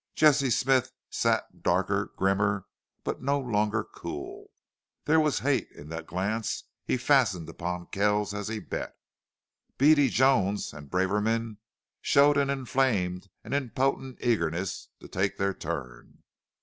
Jesse Smith sat darker, grimmer, but no longer cool. There was hate in the glance he fastened upon Kells as he bet. Beady Jones and Braverman showed an inflamed and impotent eagerness to take their turn.